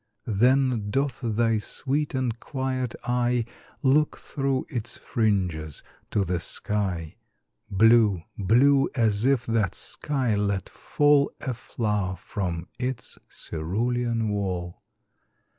Then doth thy sweet and quiet eye Look through its fringes to the sky, Blue blue as if that sky let fall A flower from its cerulean wall.